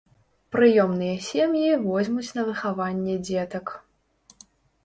Прыёмныя сем'і возьмуць на выхаванне дзетак.